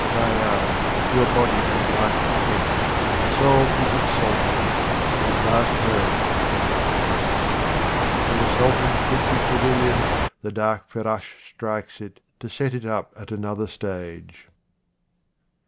Khayyam, your body is like a tent, the soul is its sultan, and his last home is nothingness. When the sultan quits his pavilion, the dark Ferrash strikes it, to set it up at another stage.